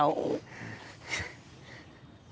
cháu tên là gì